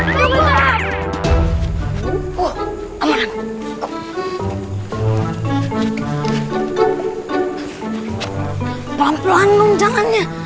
pelan pelan dong jangan ya